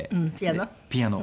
ピアノ？